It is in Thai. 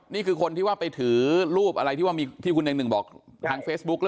นี่คือคนที่ว่าไปถือรูปอะไรที่ว่ามีที่คุณเน็งหนึ่งบอกทางเฟซบุ๊ก